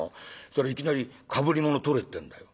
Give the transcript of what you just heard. そしたらいきなり『かぶり物取れ』ってんだよ。